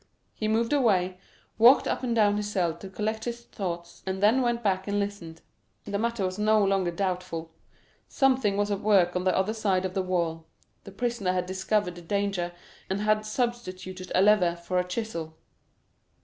He moved away, walked up and down his cell to collect his thoughts, and then went back and listened. The matter was no longer doubtful. Something was at work on the other side of the wall; the prisoner had discovered the danger, and had substituted a lever for a chisel.